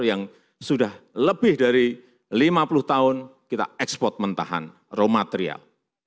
yang sudah lebih dari lima puluh tahun kita ekspor mentahan raw material